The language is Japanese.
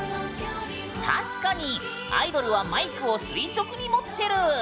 確かにアイドルはマイクを垂直に持ってる！